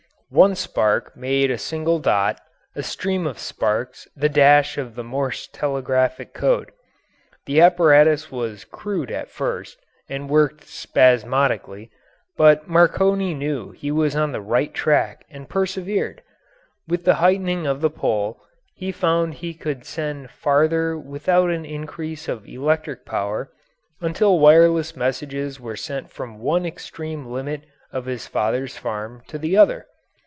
One spark made a single dot, a stream of sparks the dash of the Morse telegraphic code. The apparatus was crude at first, and worked spasmodically, but Marconi knew he was on the right track and persevered. With the heightening of the pole he found he could send farther without an increase of electric power, until wireless messages were sent from one extreme limit of his father's farm to the other.